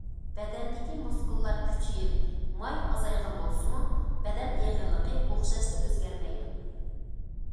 بەدەندىكى مۇسكۇللار كۈچىيىپ، ماي ئازايغان بولسىمۇ، بەدەن ئېغىرلىقى ئوخشاشلا ئۆزگەرمەيدۇ.